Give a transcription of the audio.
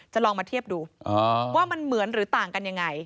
ลองมาเทียบดูว่ามันเหมือนหรือต่างกันยังไง